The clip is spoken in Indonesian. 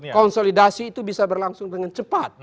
konsolidasi itu bisa berlangsung dengan cepat